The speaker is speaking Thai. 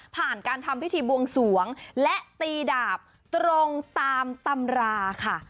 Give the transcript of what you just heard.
ผ่านการทำพิธีบวงสวงและตีดาบตรงตามตำราค่ะ